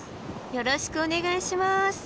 よろしくお願いします。